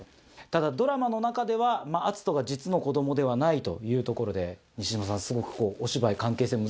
ただドラマの中では篤斗が実の子どもではないというところで西島さんすごく。